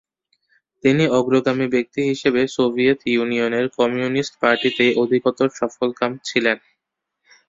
তিনি অগ্রগামী ব্যক্তি হিসেবে সোভিয়েট ইউনিয়নের কমিউনিস্ট পার্টিতেই অধিকতর সফলকাম ছিলেন।